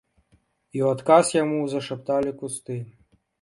І ў адказ яму зашапталі кусты.